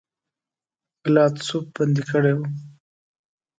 ګلادسوف بندي کړی وو.